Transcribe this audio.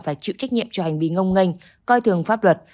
phải chịu trách nhiệm cho hành vi ngông ngânh coi thường pháp luật